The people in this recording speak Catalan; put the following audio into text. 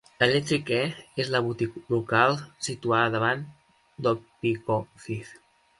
Eclectic E és la boutique local situada davant d'Oppikoffie.